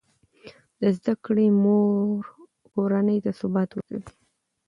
د زده کړې مور کورنۍ ته ثبات ورکوي.